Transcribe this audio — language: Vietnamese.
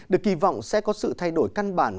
được kỳ vọng sẽ có sự thay đổi căn bản